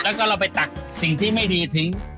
แล้วก็เราไปตักสิ่งที่ไม่ดีทิ้ง